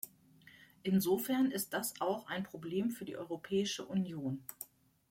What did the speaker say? Insofern ist das auch ein Problem für die Europäische Union.